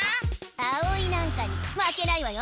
あおいなんかにまけないわよ！